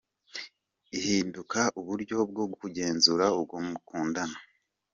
Ihinduka uburyo bwo kugenzura uwo mukundana.